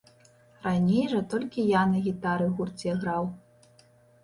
Раней жа толькі я на гітары ў гурце граў.